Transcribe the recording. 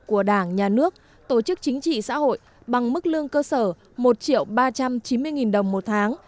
của đảng nhà nước tổ chức chính trị xã hội bằng mức lương cơ sở một ba trăm chín mươi đồng một tháng